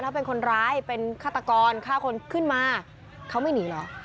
ถ้าเป็นคนร้ายเป็นฆาตกรฆ่าคนขึ้นมาเขาไม่หนีเหรอ